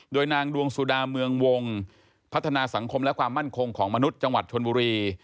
โดยนางดวงสุดาเมืองวงพัฒนาสังคมและความมั่นคงของมนุษย์จังหวัดชนบุรี